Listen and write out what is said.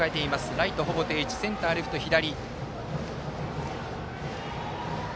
ライト、ほぼ定位置センター、レフト、左。